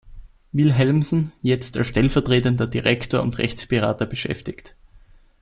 Wilhelmsen", jetzt als stellvertretender Direktor und Rechtsberater, beschäftigt.